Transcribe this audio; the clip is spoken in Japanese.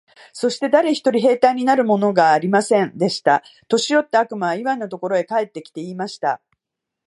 そして誰一人兵隊になるものがありませんでした。年よった悪魔はイワンのところへ帰って来て、言いました。